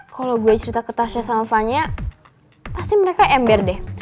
kalau gue cerita ke tasya salvanya pasti mereka ember deh